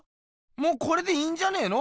もうこれでいいんじゃねえの？